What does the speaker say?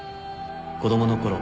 子供のころ